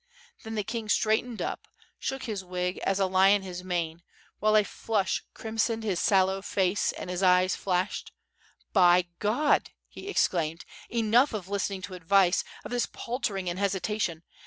Then the king straightened up, shook his wig as a lion his 796 ^^TH FIRE AND SWORD. mane, while a flush crimsoned his sallow face and his tyes flashed. "By God!" he exclaimed, "enough of listening to advice, of this paltering and hesitation!